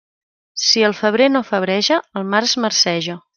Si el febrer no febreja, el març marceja.